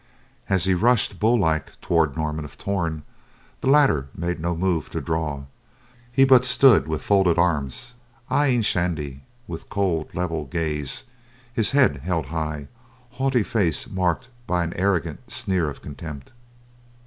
As he rushed, bull like, toward Norman of Torn, the latter made no move to draw; he but stood with folded arms, eyeing Shandy with cold, level gaze; his head held high, haughty face marked by an arrogant sneer of contempt.